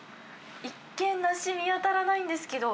一見、梨、見当たらないんですけど。